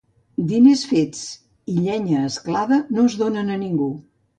Diners fets i llenya asclada no es donen a ningú.